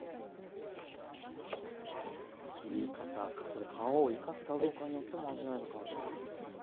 切り方それで皮を生かすかどうかによっても味わいが変わってくる。